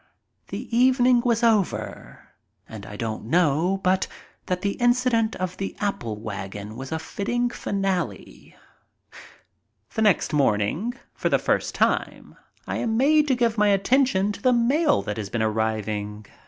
The eve ning was over and I don't know but that the incident of the apple wagon was a fitting finale. The next morning for the first time I am made to give my attention to the mail that has been arriving.